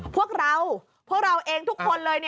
พวกเราพวกเราเองทุกคนเลย